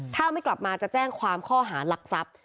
ถ้าไม่กลับมาจะแจ้งความข้อหารักทรัพย์